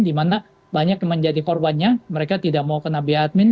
dimana banyak yang menjadi korbannya mereka tidak mau kena biaya admin